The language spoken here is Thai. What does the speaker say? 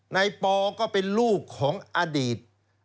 ปอก็เป็นลูกของอดีต